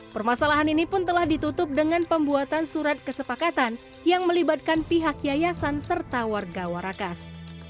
permasalahan ini pun telah ditutup dengan pembuatan surat kesepakatan yang melibatkan pihak yayasan serta warga warakas